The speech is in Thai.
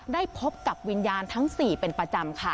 ได้พบกับวิญญาณทั้ง๔เป็นประจำค่ะ